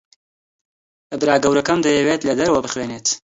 برا گەورەکەم دەیەوێت لە دەرەوە بخوێنێت.